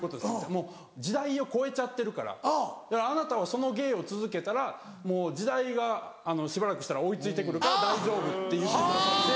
「もう時代を超えちゃってるからだからあなたはその芸を続けたらもう時代がしばらくしたら追い付いて来るから大丈夫」って言ってくださって。